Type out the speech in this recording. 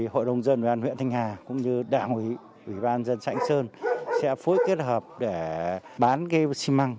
hội đồng dân huyện thành hà cũng như đảng huy ủy ban dân xã thành sơn sẽ phối kết hợp để bán xi măng